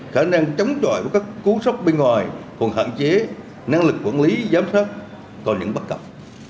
khả năng chống chọi với các cú sốc bên ngoài còn hạn chế năng lực quản lý giám sát còn những bất cập